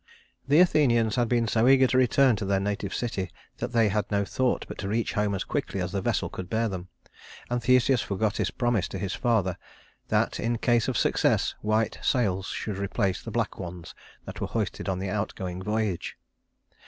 The Athenians had been so eager to return to their native city that they had no thought but to reach home as quickly as the vessel could bear them; and Theseus forgot his promise to his father that, in case of success, white sails should replace the black ones that were hoisted on the outgoing voyage.